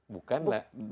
bagian anggaran negara